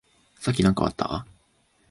さっき何かあった？